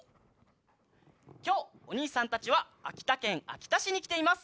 きょうおにいさんたちはあきたけんあきたしにきています。